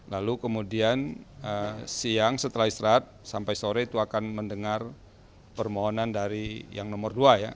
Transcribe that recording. lalu kemudian siang setelah istirahat sampai sore itu akan mendengar permohonan dari yang nomor dua ya